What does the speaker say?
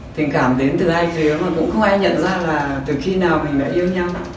tình cảm đến từ hai phía mà cũng không ai nhận ra là từ khi nào mình yêu nhau